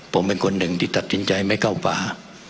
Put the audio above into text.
ผมเป็นคนหนึ่งที่ตัดสินใจไม่เข้าป่า